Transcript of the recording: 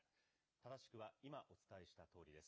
正しくは今お伝えしたとおりです。